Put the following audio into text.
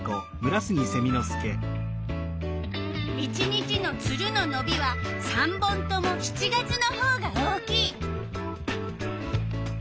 １日のツルののびは３本とも７月のほうが大きい。